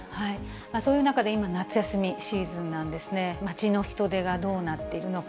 そういう中で、今、夏休みシーズンなんですね、街の人出がどうなっているのか。